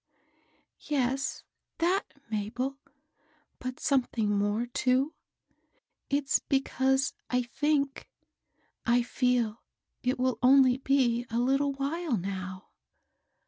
*^ Yes, (hat J Mabel ; but something more, too : it's because I think — I fed it will only be a little while now."